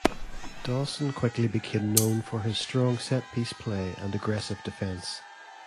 Dawson quickly became known for his strong set piece play and aggressive defense.